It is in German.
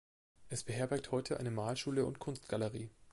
Es beherbergt heute eine Malschule und Kunstgalerie.